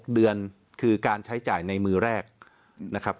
เดือนคือการใช้จ่ายในมือแรกนะครับ